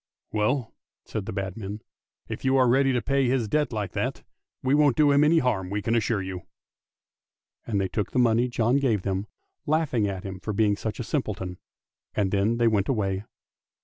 Well," said the bad men, " if you are ready to pay his debt like that, we won't do him any harm, we can assure you! " And they took the money John gave them, laughing at him for being such a simpleton, and then they went away.